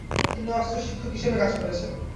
তিনি অস্ত্র শিক্ষক হিসেবে কাজ করেছেন।